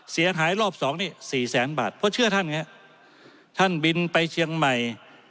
เสียหายรอบสองนี่สี่แสนบาทเพราะเชื่อท่านไงฮะท่านบินไปเชียงใหม่